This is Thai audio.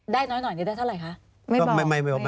ได้น้อยหน่อยจะได้เท่าไหร่คะ